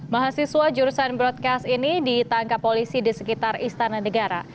mahasiswa jurusan broadcast ini ditangkap polisi di sekitar istana negara